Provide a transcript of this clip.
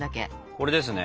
これですね